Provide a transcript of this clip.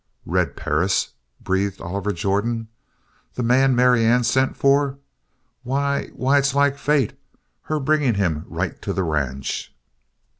"Red Perris!" breathed Oliver Jordan. "The man Marianne sent for? Why why it's like fate, her bringing him right to the ranch!"